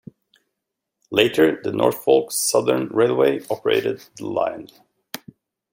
Later, the Norfolk Southern Railway operated the line.